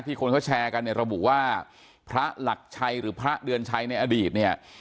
คนเขาแชร์กันเนี่ยระบุว่าพระหลักชัยหรือพระเดือนชัยในอดีตเนี่ย